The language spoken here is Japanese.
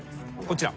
こちら。